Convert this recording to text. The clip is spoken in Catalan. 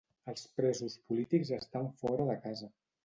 Els presos polítics estan fora de casa